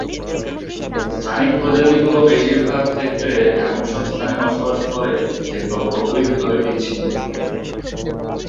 স্থানিক প্রজাতিগুলো বেশিরভাগ ক্ষেত্রে এমন সব স্থানে বসবাস করে যেগুলো ভৌগোলিক ভাবে বিচ্ছিন্ন।